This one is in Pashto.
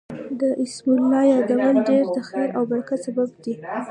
د اسماء الله يادول ډير د خير او برکت سبب دی